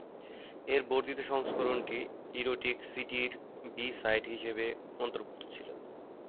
এর বর্ধিত সংস্করণটি "ইরোটিক সিটি"র বি-সাইড হিসেবে অন্তর্ভুক্ত ছিল।